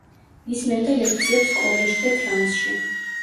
ისმენდა ლექციებს კოლეჟ დე ფრანსში.